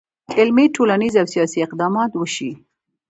علمي، ټولنیز، او سیاسي اقدامات وشي.